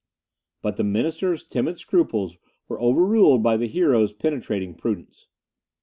But the minister's timid scruples were overruled by the hero's penetrating prudence.